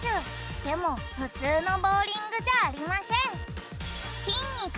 でもふつうのボウリングじゃありましぇん